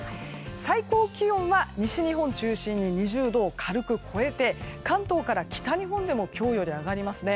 最高気温は西日本中心に２０度を軽く超えて関東から北日本でも今日より上がりますね。